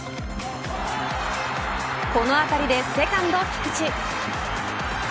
この当たりでセカンド菊池。